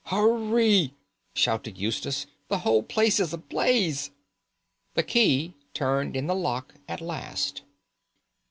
"Hurry!" shouted Eustace; "the whole place is ablaze!" The key turned in the lock at last.